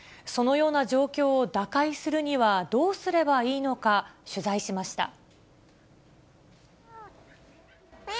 そのような状況を打開するには、どうすればいいのか、取材しました。